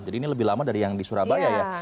jadi ini lebih lama dari yang di surabaya ya